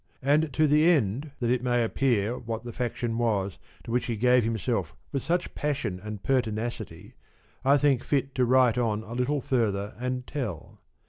And to the end that it may appear: what the faction was to which he gave himself with such passion and pertinacity, I think fit to write on a little further and tell.